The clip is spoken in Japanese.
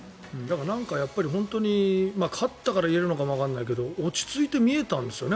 なんか本当に勝ったから言えるかもだけど落ち着いて見えたんですよね